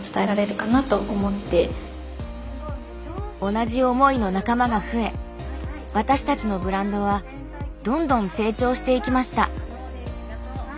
同じ思いの仲間が増え私たちのブランドはどんどん成長していきました。